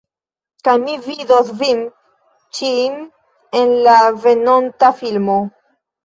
Kaj mi vidos vin ĉijn en la venonta filmo